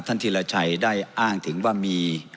ท่านธิรัชัยได้อ้างถึงว่ามี